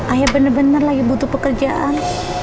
ayah bener bener lagi butuh pekerjaan